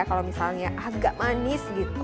kalau misalnya agak manis gitu